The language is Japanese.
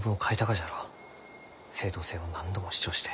正当性を何度も主張して。